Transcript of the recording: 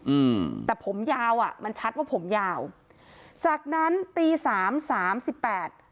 อืมแต่ผมยาวอ่ะมันชัดว่าผมยาวจากนั้นตีสามสามสิบแปด